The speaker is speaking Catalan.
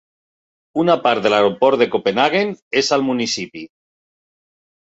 Una part de l'Aeroport de Copenhaguen és al municipi.